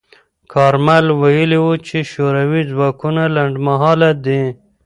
کارمل ویلي و چې شوروي ځواکونه لنډمهاله دي.